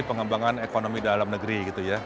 pengembangan ekonomi dalam negeri gitu ya